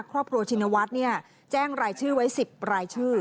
ครอบครัวชินวัฒน์แจ้งรายชื่อไว้๑๐รายชื่อ